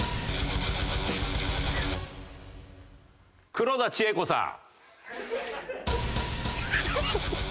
黒田知永子さん。